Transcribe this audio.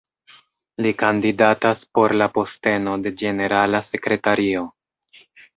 Li kandidatas por la posteno de ĝenerala sekretario.